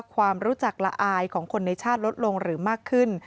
ความรู้จักละอายของคนในชาติลดลงหรือมากขึ้น